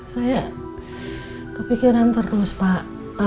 saya kepikiran terus pak